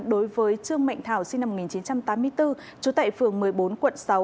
đối với trương mạnh thảo sinh năm một nghìn chín trăm tám mươi bốn trú tại phường một mươi bốn quận sáu